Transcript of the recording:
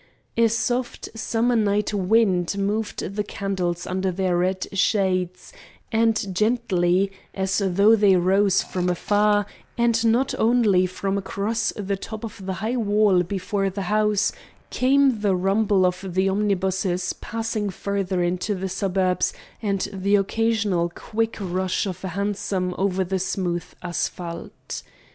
A soft summer night wind moved the candles under their red shades; and gently as though they rose from afar, and not only from across the top of the high wall before the house, came the rumble of the omnibuses passing farther into the suburbs, and the occasional quick rush of a hansom over the smooth asphalt.